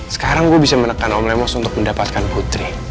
sekarang gue bisa menekan om lemos untuk mendapatkan putri